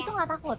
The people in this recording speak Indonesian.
itu gak takut